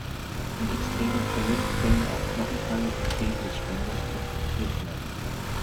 In extremen Fällen können auch Knochenteile vom Schädel des Spenders transplantiert werden.